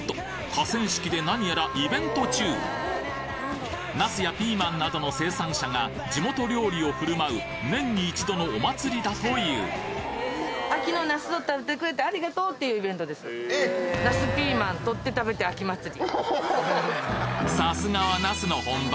河川敷で何やらイベント中なすやピーマンなどの生産者が地元料理をふるまう年に一度のお祭りだというさすがはなすの本場！